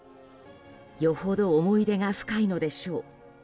よほど思い出が深いのでしょう。